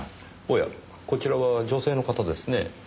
おやこちらは女性の方ですねぇ。